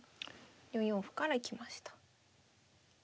４四歩から行きました。